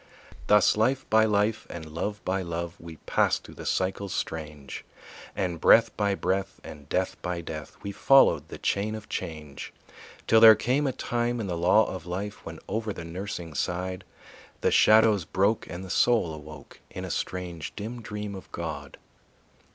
Thus life by life and love by love We passed through the cycles strange, And breath by breath and death by death We followed the chain of change. Till there came a time in the law of life When over the nursing side The shadows broke and the soul awoke In a strange, dim dream of God.